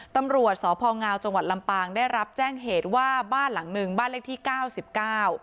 ตำรวจสพงจังหวัดลำปางได้รับแจ้งเหตุว่าบ้านหลังหนึ่งบ้านเลขที่เก้าสิบเก้า